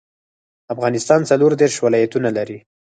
افغانستان څلور ديرش ولايتونه لري.